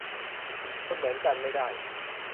คนเหมือนกัน ไม่ได้